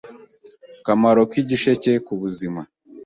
Akamaro k’igisheke ku buzima